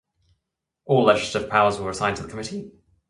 All legislative powers were assigned to the Committee.